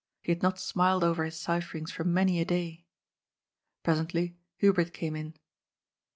He had not smiled over his cipherings for many a day. Presently Hubert came in.